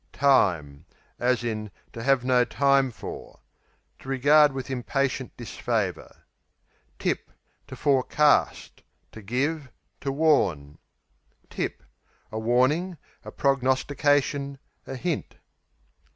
Time, to have no time for To regard with impatient disfavour. Tip To forecast; to give; to warn. Tip A warning; a prognostication; a hint.